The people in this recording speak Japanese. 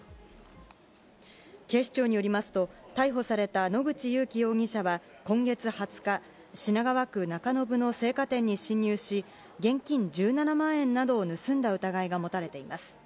警視庁によりますと、逮捕された野口勇樹容疑者は今月２０日、品川区中延の青果店に侵入し、現金１７万円などを盗んだ疑いが持たれています。